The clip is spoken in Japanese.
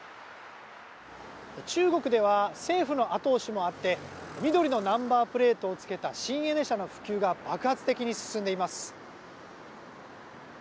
中国では政府の後押しもあって緑のナンバープレートを付けた新エネ車の普及が爆発的に進んでいます。